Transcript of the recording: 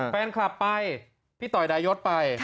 แฟนคลับไปพี่ต่อยดายศไป